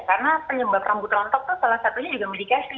karena penyebab rambut rontok tuh salah satunya juga medikasi